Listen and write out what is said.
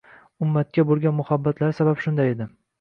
Ummatgabo‘lgan muhabbatlari sababli shunday edi